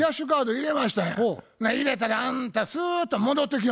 入れたらあんたスーッと戻ってきよんのや。